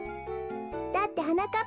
だってはなかっ